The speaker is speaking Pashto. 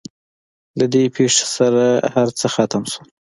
له دې پېښې سره هر څه ختم شول.